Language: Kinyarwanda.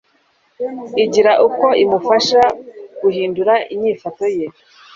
igira uko imufasha guhindura inyifato ye.